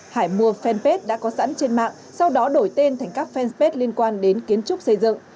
hải mua fanpage đã có sẵn trên mạng sau đó đổi tên thành các fanpage liên quan đến kiến trúc xây dựng